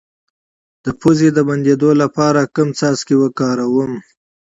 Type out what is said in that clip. د پوزې د بندیدو لپاره کوم څاڅکي وکاروم؟